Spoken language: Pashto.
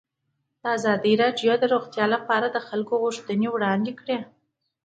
ازادي راډیو د روغتیا لپاره د خلکو غوښتنې وړاندې کړي.